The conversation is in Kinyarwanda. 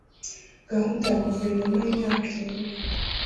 gahunda ya guverinoma y imyaka irindwi